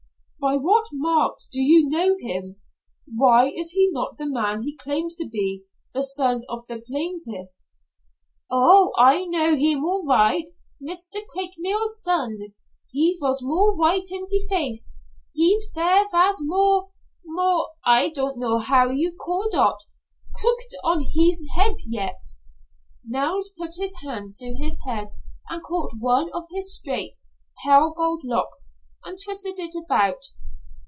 "By what marks do you know him? Why is he not the man he claims to be, the son of the plaintiff?" "Oh, I know heem all right. Meester Craikmile's son, he vos more white in de face. Hees hair vas more more I don' know how you call dot crooked on hees head yet." Nels put his hand to his head and caught one of his straight, pale gold locks, and twisted it about.